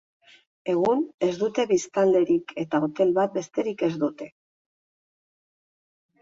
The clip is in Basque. Egun, ez dute biztanlerik eta hotel bat besterik ez dute.